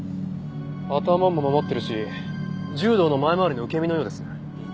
頭も守ってるし柔道の前回りの受け身のようですね。